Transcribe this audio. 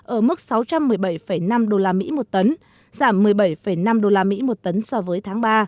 ở mức sáu trăm một mươi bảy năm usd một tấn giảm một mươi bảy năm usd một tấn so với tháng ba